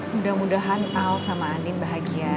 mudah mudahan al sama andin bahagia